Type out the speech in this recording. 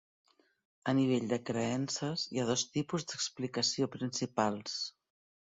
A nivell de creences, hi ha dos tipus d'explicació principals.